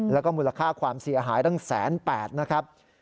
แล้วก็มูลค่าความเสียหายตั้ง๑๘๐๐๐นะครับ